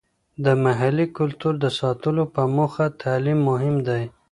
د محلي کلتور د ساتلو په موخه تعلیم مهم دی.